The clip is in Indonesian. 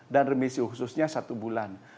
remisi khususnya satu bulan